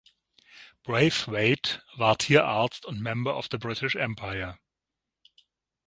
Braithwaite war Tierarzt und Member of the British Empire.